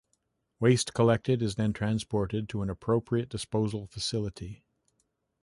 Waste collected is then transported to an appropriate disposal facility.